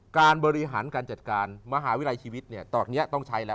การบริหารการจัดการมหาวิทยาลัยชีวิตเนี่ยตอนนี้ต้องใช้แล้ว